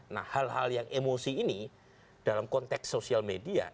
nah hal hal yang emosi ini dalam konteks sosial media